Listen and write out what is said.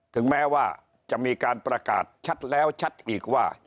ถึงแม้ว่าจะมีการประกาศชัดแล้วชัดอีกว่า